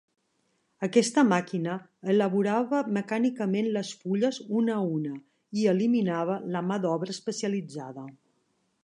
Aquesta màquina elaborava mecànicament les fulles una a una i eliminava la mà d'obra especialitzada.